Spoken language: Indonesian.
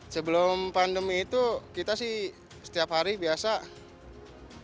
sebelum pandemi itu kita sih setiap hari biasa